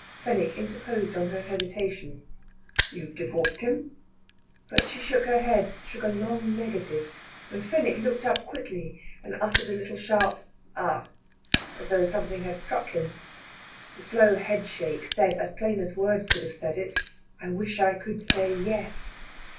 Fenwick interposed on her hesitation. "You have divorced him?" But she shook her head shook a long negative. And Fenwick looked up quickly, and uttered a little sharp "Ah!" as though something had struck him. The slow head shake said as plain as words could have said it, "I wish I could say yes."